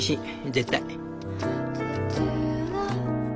絶対」。